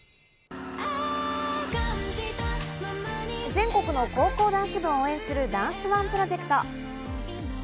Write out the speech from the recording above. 全国の高校ダンス部を応援するダンスＯＮＥプロジェクト。